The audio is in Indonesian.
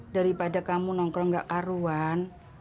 daripada kamu nongkrong gak karuan